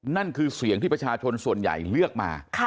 นั่นคือเสียงที่ประชาชนส่วนใหญ่เลือกมา